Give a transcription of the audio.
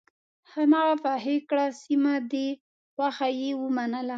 هماغه پخې کړه سمه ده خوښه یې ومنله.